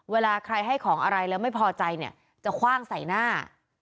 เวลาใครให้ของอะไรแล้วไม่พอใจเนี่ยจะคว่างใส่หน้า